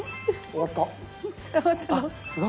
終わったの？